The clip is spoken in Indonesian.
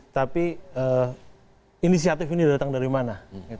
tapi inisiatif ini datang dari mana